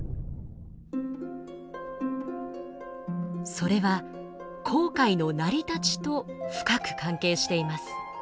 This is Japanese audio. それは紅海の成り立ちと深く関係しています。